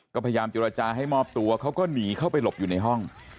ก็พยายามเจรจาให้มอบตัวเขาก็หนีเข้าไปหลบอยู่ในห้อง